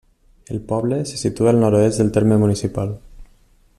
El poble se situa al nord-oest del terme municipal.